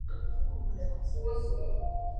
首府多索。